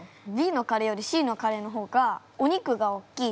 ＢのカレーよりＣのカレーの方がお肉がおっきい。